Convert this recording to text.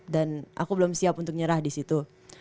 dan aku belum siap untuk nyerah di situ